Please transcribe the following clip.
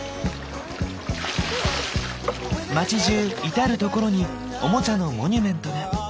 街じゅう至る所にオモチャのモニュメントが。